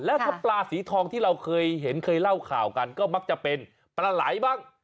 แล้วถ้าปลาสีทองที่เราเคยเห็นเคยเล่าข่าวกันก็มักจะเป็นปลาไหลบ้าง